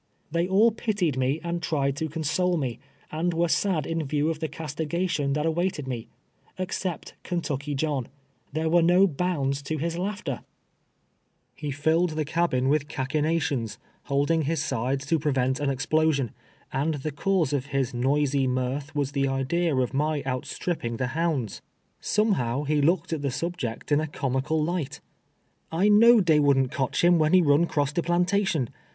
They all pitied me and tried to console me, and were sad in view of the castigation that awaited me, except Ken tucky John, There were no bounds to his laughter ; 152 TWKLVK YEARS A SLAVE. lie filled the caliiii with cachiiiiiatiniis, lidhlin^liis sides to prevent an e.\i>losi«in, and tlie cause of his noisy mirth was the idea of my outstrI])pin<^ tlie hounds. Somehow, he looked at the subject in a comical light. " I I'fiow'd dey wouhrnt cotch him, when he run cross de phmtation.